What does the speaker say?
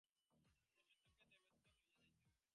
পশুত্বকে দূর করিতে হইবে, মানবত্বকে দেবত্বে লইয়া যাইতে হইবে।